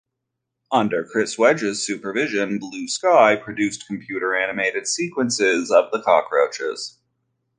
Under Chris Wedge's supervision, Blue Sky produced computer-animated sequences of the cockroaches.